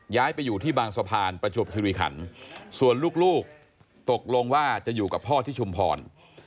ย้ายไปอยู่ที่บางสะพานประจวบคิริขันส่วนลูกตกลงว่าจะอยู่กับพ่อที่ชุมพร